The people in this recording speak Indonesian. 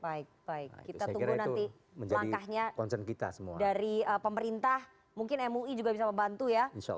baik baik kita tunggu nanti langkahnya dari pemerintah mungkin mui juga bisa membantu ya